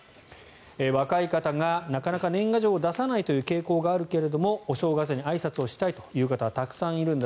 若い方が、なかなか年賀状を出さないという傾向があるけれどもお正月にあいさつをしたいという方はたくさんいるんだ